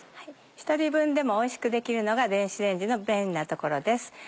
１人分でもおいしくできるのが電子レンジの便利なところです。